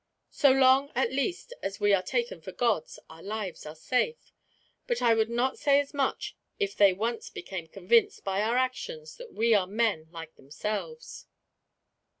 So long at least as we are taken for gods, our lives are safe. But I would not say as much if they once became convinced, by our actions, that we are men like themselves."